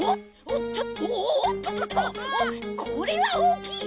おっこれはおおきい！